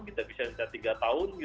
kita bisa tiga tahun